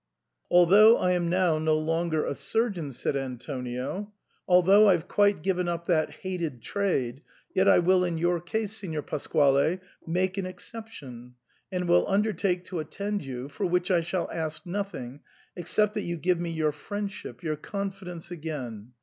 '^ Although I am now no longer a suigeon/' said Antonio, '^although I've quite given up that hated trade, yet I will ip your case, Signor Pasquale, make an exception, and will undertake to attend you, for which I shall ask nothing except that you give me your friendship, your confidence again.